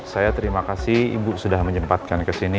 saya terima kasih ibu sudah menjempatkan kesini